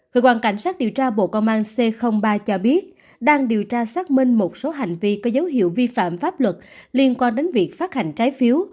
cơ quan cảnh sát điều tra bộ công an c ba cho biết đang điều tra xác minh một số hành vi có dấu hiệu vi phạm pháp luật liên quan đến việc phát hành trái phiếu